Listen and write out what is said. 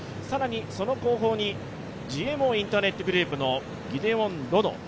更にその後方にＧＭＯインターネットグループのギデオン・ロノ。